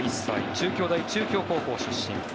中京大中京高校出身。